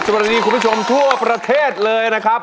สวัสดีคุณผู้ชมทั่วประเทศเลยนะครับ